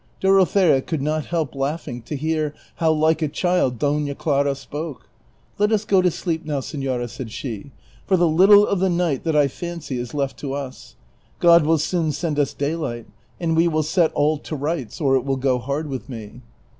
Dorothea could not help laughing to hear how like a child Dona Clara spoke. " Let us go to sleep now, seiiora," said she, " for the little of the night that I fancy is left to us : God will soon send us daylight, and we will set all to rights, or it will go hard with me."